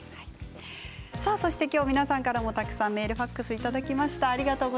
今日、皆さんからたくさんメール、ファックスをいただきました。